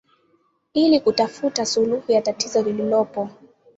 ili kutafuta suluhu ya tatizo lililopo